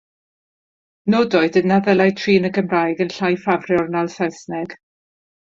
Nodwyd na ddylid trin y Gymraeg yn llai ffafriol na'r Saesneg.